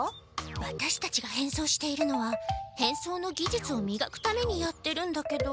ワタシたちが変装しているのは変装のぎじゅつをみがくためにやってるんだけど。